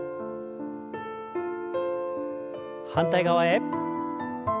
反対側へ。